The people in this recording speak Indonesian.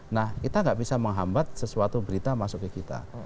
nah kita nggak bisa menghambat sesuatu berita masuk ke kita